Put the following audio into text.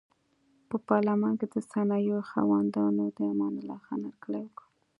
په المان کې د صنایعو خاوندانو د امان الله خان هرکلی وکړ.